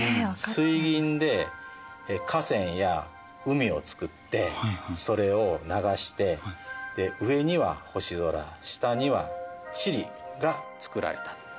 水銀で河川や海を作ってそれを流して上には星空下には地理が作られたと書いてあります。